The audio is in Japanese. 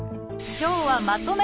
今日はまとめ